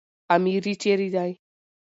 اميري چيري دئ؟